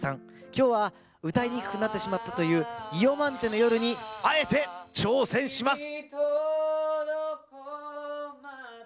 きょうは歌いにくくなってしまったという「イヨマンテの夜」にあえて挑戦します。